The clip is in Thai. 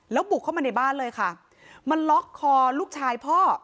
แล้วบุกเข้ามาในบ้านเลยค่ะมาล็อกคอลูกชายพ่อ